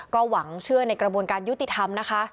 ก็หวังเชื่อในกระบวนการยุติธรรมนะคะ